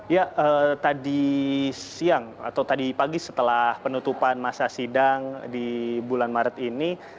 ya tadi siang atau tadi pagi setelah penutupan masa sidang di bulan maret ini